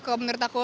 kalau menurut aku